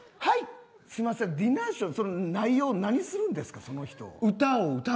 すいません、ディナーショー内容、何するんですか。